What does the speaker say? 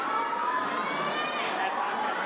สวัสดีครับ